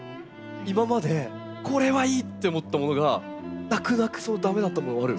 今までこれはいいって思ったものが泣く泣く駄目だったものもある。